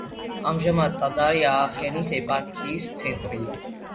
ამჟამად ტაძარი აახენის ეპარქიის ცენტრია.